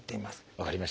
分かりました。